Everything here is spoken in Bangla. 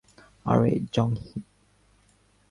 আরে, জং-হি?